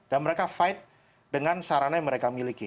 dan mereka fight dengan sarana yang mereka miliki